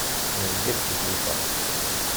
Nezga d tiyita.